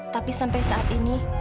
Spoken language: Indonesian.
tapi sampai saat ini